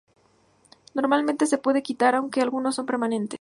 Normalmente se pueden quitar, aunque algunos son permanentes.